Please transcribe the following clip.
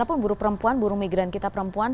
apapun buru perempuan buru migran kita perempuan